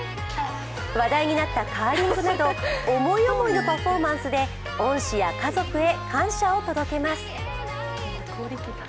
話題になったカーリングなど思い思いのパフォーマンスで恩師や家族へ感謝を届けます。